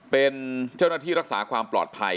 เป็นเจ้าหน้าที่รักษาความปลอดภัย